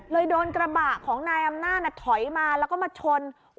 โดนกระบะของนายอำนาจถอยมาแล้วก็มาชน